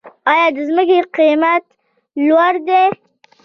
آیا د ځمکې قیمت لوړ دی؟